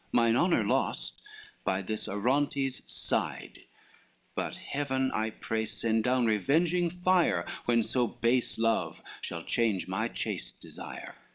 — Mine honor lost, by this Arontes' side: But Heaven I pray send down revenging fire, When so base love shall change my chaste desire.